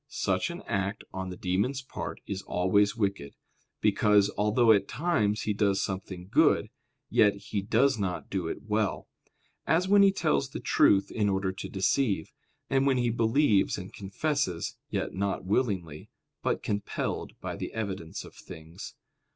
Such an act on the demon's part is always wicked; because, although at times he does something good, yet he does not do it well; as when he tells the truth in order to deceive; and when he believes and confesses, yet not willingly, but compelled by the evidence of things.